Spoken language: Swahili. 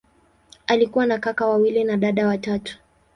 Alikuwa na kaka wawili na dada watatu.